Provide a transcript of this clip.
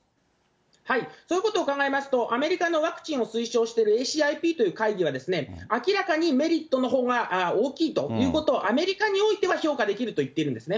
そういうことを考えますと、アメリカのワクチンを推奨しているＥＣＩＰという会議は、明らかにメリットのほうが大きいということを、アメリカにおいては評価できると言っているんですね。